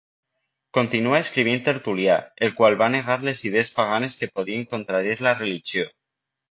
Continua escrivint Tertul·lià, el qual va negar les idees paganes que podien contradir la religió.